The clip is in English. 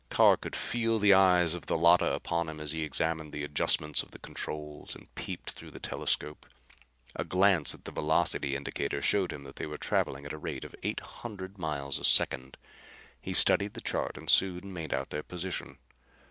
Carr could feel the eyes of the Llotta upon him as he examined the adjustments of the controls and peeped through the telescope. A glance at the velocity indicator showed him they were traveling at a rate of eight hundred miles a second. He studied the chart and soon made out their position.